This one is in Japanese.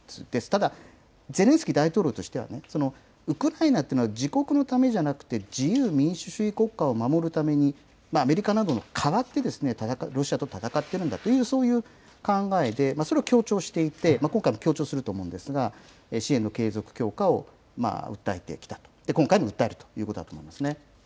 ただ、ゼレンスキー大統領としては、ウクライナっていうのは自国のためじゃなくて、自由民主主義国家を守るために、アメリカなどにかわってロシアと戦っているんだと、そういう考えで、それを強調していて、今回も強調すると思うんですが、支援の継続強化を訴えてきたと、今回も訴えるということだと思いますね。